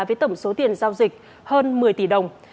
với tổng số tiền giao dịch hơn một mươi tỷ đồng